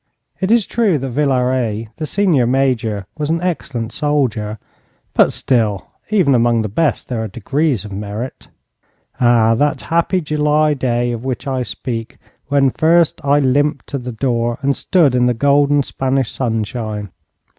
It is true that Villaret, the senior major, was an excellent soldier; but still, even among the best there are degrees of merit. Ah, that happy July day of which I speak, when first I limped to the door and stood in the golden Spanish sunshine!